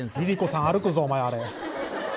ＬｉＬｉＣｏさん歩くぞおまえ。